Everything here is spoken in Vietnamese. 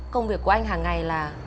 công việc của anh hàng ngày là